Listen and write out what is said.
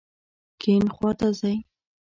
کیڼ خواته ځئ